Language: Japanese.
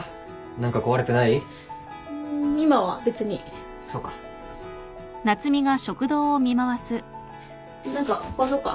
何か壊そうか？